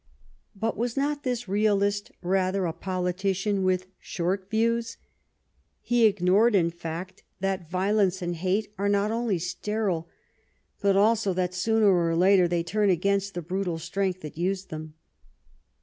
But was not this realist rather a politician with short views ? He ignored, in fact, that violence and hate are not only sterile, but also that sooner or later they turn against the brutal strength that used them.